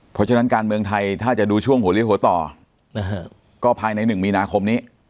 เพราะฉะนั้นการเมืองไทยถ้าจะดูช่วงหัวเลี้ยหัวต่อก็ภายใน๑มีนาคมนี้